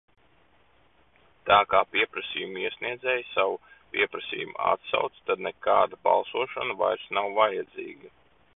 Tā kā pieprasījuma iesniedzēji savu pieprasījumu atsauc, tad nekāda balsošana vairs nav vajadzīga.